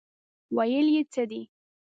ویل یې څه دي.